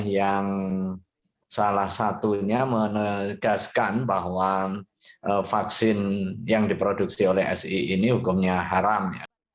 yang salah satunya menegaskan bahwa vaksin yang diproduksi oleh si ini hukumnya haram